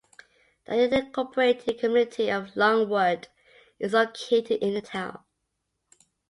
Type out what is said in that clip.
The unincorporated community of Longwood is located in the town.